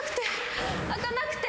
開かなくて。